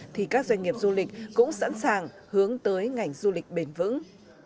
thì các doanh nghiệp du lịch cũng sẵn sàng hướng tới ngành du lịch bền vững